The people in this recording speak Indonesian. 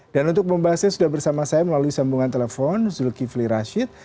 dan untuk membahasnya sudah bersama saya melalui sambungan telepon zulkifli rashid